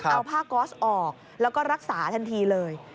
เอาผ้าก๊อสออกแล้วก็รักษาทันทีเลย